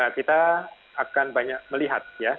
kita akan banyak melihat